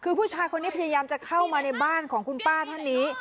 คือผู้ชายคนนี้พยายามจะเข้ามาในบ้านของคุณป้าท่านนี้